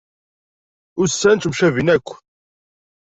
Ussan temcabin akk.